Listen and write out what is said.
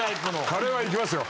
カレーは行きますよ。